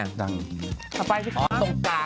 อะไรนะ